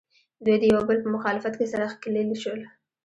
دوی د یو او بل په مخالفت کې سره ښکلیل شول